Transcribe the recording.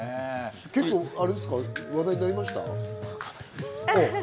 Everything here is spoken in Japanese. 結構話題になりました？